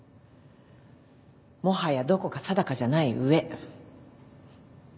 もはやどこか定かじゃない上。